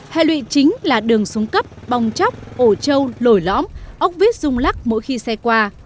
hệ lụy chính là đường xuống cấp bong chóc ổ trâu lổi lõm ốc vít rung lắc mỗi khi xe qua